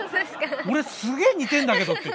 俺すげえ似てんだけどって。